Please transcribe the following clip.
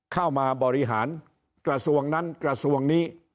เข้ามาบริหารกระทรวงนั้นกระทรวงนี้